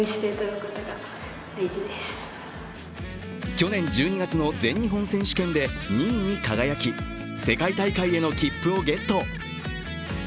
去年１２月の全日本選手権で２位に輝き世界大会への切符をゲット。